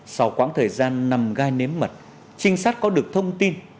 sau quãng thời gian nằm gai nếm mật trinh sát có được thông tin